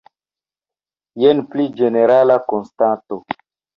Jen pli ĝenerala konstato.